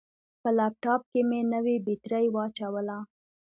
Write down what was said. په لپټاپ کې مې نوې بطرۍ واچوله.